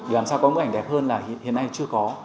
làm sao có mức ảnh đẹp hơn là hiện nay chưa có